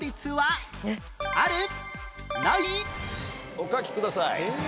お書きください。